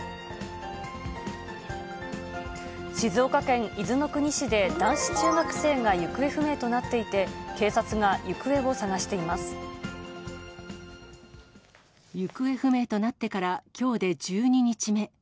静岡県伊豆の国市で男子中学生が行方不明となっていて、行方不明となってから、きょうで１２日目。